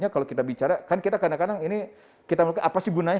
kalau kita bicara kan kita kadang kadang ini kita melakukan apa sih gunanya